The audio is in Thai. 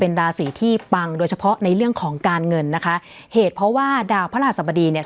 ราศีที่ปังโดยเฉพาะในเรื่องของการเงินนะคะเหตุเพราะว่าดาวพระราชสบดีเนี่ย